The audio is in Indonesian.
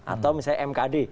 atau misalnya mkd